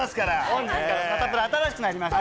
本日からサタプラ新しくなりました。